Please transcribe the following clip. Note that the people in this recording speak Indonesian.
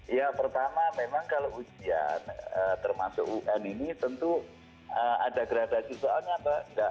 ya pertama memang kalau ujian termasuk un ini tentu ada gradasi soalnya apa